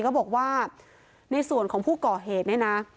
ก็บอกว่าในส่วนของผู้ก่อเหตุเนี่ยนะ